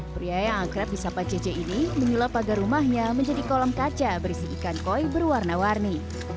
pria yang akrab di sapa cc ini menyulap pagar rumahnya menjadi kolam kaca berisi ikan koi berwarna warni